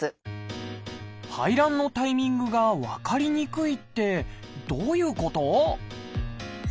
排卵のタイミングが分かりにくいってどういうこと？